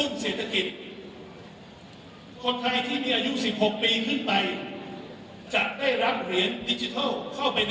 เมียดิจิทัลสามารถทำไปจ่ายใช้สอยซื้ออาหารของใช้ประจำวัน